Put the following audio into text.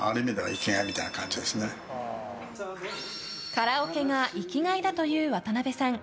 カラオケが生きがいだという渡邉さん。